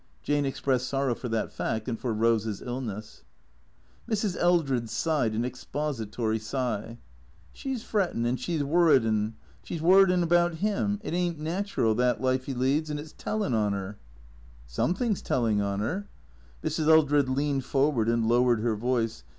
Jane expressed sorrow for that fact and for Eose's illness. Mrs. Eldred sighed an expository sigh. " She 's frettin' an' she 's worritin'. She 's worritin' about 'Im. It is n't natch'ral, that life 'E leads, and it 's tellin' on 'er." " Something 's telling on her," Mrs. Eldred leaned forward and lowered her voice.